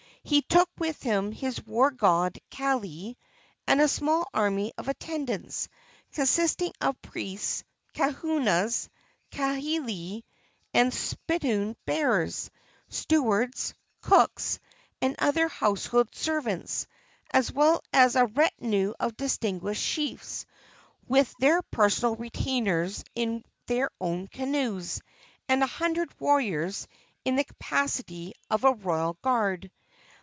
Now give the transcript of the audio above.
He took with him his war god, Kaili, and a small army of attendants, consisting of priests, kahunas, kahili and spittoon bearers, stewards, cooks and other household servants, as well as a retinue of distinguished chiefs with their personal retainers in their own canoes, and a hundred warriors in the capacity of a royal guard.